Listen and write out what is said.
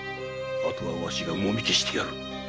あとはワシがモミ消してやる。